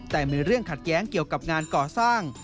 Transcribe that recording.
แต่มีเรื่องขัดแย้งเกี่ยวกับงานก่อสร้าง